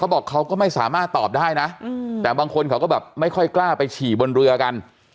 บอกเขาก็ไม่สามารถตอบได้นะแต่บางคนเขาก็แบบไม่ค่อยกล้าไปฉี่บนเรือกัน